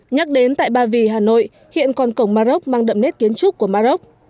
nhắc đến tại ba vì hà nội hiện còn cổng mà rốc mang đậm nét kiến trúc của mà rốc